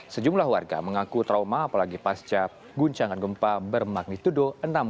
sejumlah warga mengaku trauma apalagi pasca guncangan gempa bermagnitudo enam satu